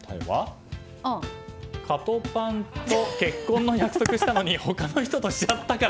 カトパンと結婚の約束したのに他の人としちゃったから！